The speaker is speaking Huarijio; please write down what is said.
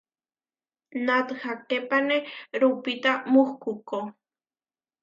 Nathaképane lupita mukuhkó.